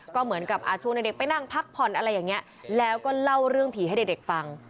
ก็เหมือนกับช่วงเด็กไปนั่งพักผ่อนอะไรอย่างนี้แล้วก็เล่าเรื่องผีให้เด็กฟัง